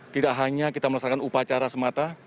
tidak hanya kita melaksanakan upacara semata